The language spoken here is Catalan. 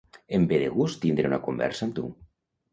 Em ve de gust tindre una conversa amb tu.